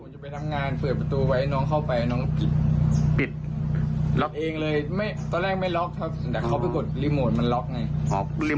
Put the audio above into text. อ๋อแล้วปกติน้องชอบเครื่องบนมาเล่นประจำอย่างนี้เครียมมาเล่นบ่อยไหม